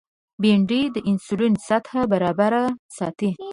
بېنډۍ د انسولین سطحه برابره ساتي